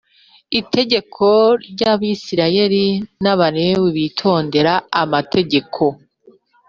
itegeko ry Abisirayeli n Abalewi bitondera amategeko